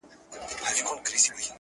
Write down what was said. ستا انګور انګور کتو مست و مدهوش کړم،